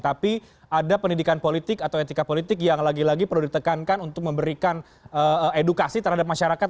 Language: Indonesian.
tapi ada pendidikan politik atau etika politik yang lagi lagi perlu ditekankan untuk memberikan edukasi terhadap masyarakat